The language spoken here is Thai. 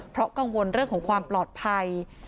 เพราะกังวลเรื่องของความปลอดภัย